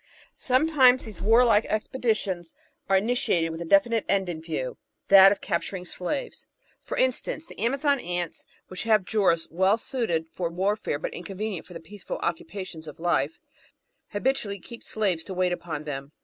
Sometimes these warlike expeditions are initiated with a definite end in view, that of capturing slaves. Natural Histoty 517 For instance^ the Amazon Ants, which have jaws well suited for warfare but inconvenient for the peaceful occupations of life, habitually keep slaves to wait upon them.